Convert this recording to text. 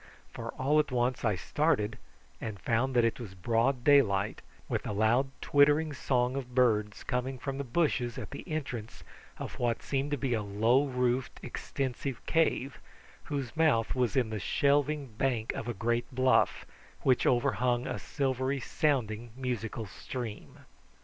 For all at once I started and found that it was broad daylight, with the loud twittering song of birds coming from the bushes at the entrance of what seemed to be a low roofed extensive cave, whose mouth was in the shelving bank of a great bluff which overhung a silvery sounding musical stream.